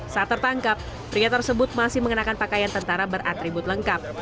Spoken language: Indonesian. saat tertangkap pria tersebut masih mengenakan pakaian tentara beratribut lengkap